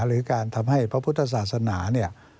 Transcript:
หรือการทำให้พระพุทธศาสนาเนี่ย